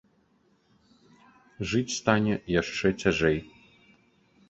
Жыць стане яшчэ цяжэй.